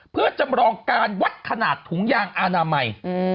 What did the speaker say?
เพื่อจำลองการวัดขนาดถุงยางอนามัย